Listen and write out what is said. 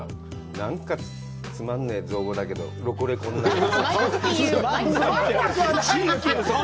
なんか、つまんねぇ造語だけど、「ロコレコ！」という。